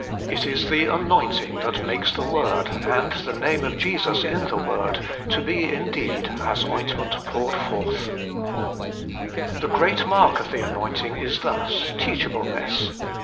It is the anointing that makes the Word and the name of Jesus in the Word to be indeed as ointment poured forth. 266 HOLY IN CHRIST. The great mark of the anointing is thus, teach ableness.